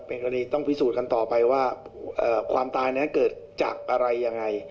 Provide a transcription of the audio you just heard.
เป็นกรณีต้องพิสูจน์กันต่อไปว่าความตายนั้นเกิดจากอะไรยังไง